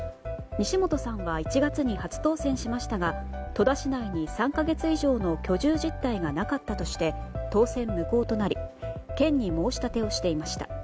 西本さんは１月に初当選しましたが戸田市内に３か月以上の居住実態がなかったとして当選無効となり県に申し立てをしていました。